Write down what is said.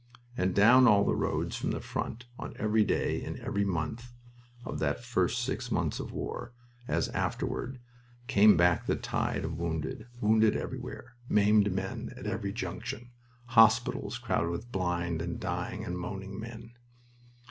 And down all the roads from the front, on every day in every month of that first six months of war as afterward came back the tide of wounded; wounded everywhere, maimed men at every junction; hospitals crowded with blind and dying and moaning men....